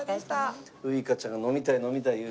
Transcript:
ウイカちゃんが飲みたい飲みたい言うて。